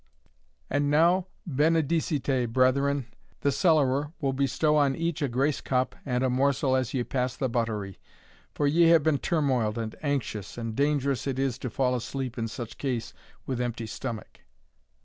And now, benedicite, brethren! The cellarer will bestow on each a grace cup and a morsel as ye pass the buttery, for ye have been turmoiled and anxious, and dangerous it is to fall asleep in such case with empty stomach."